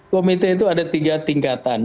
komite itu ada tiga tingkatan